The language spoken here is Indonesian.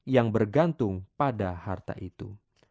yang bergantung pada harta itu